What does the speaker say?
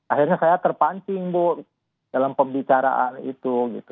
akhirnya saya terpancing bu dalam pembicaraan itu